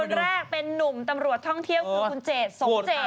แรกเป็นนุ่มตำรวจท่องเที่ยวคือคุณเจดสมเจต